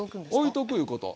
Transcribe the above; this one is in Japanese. おいとくいうこと。